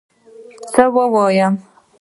څه ووایم